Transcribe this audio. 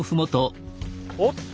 おっと。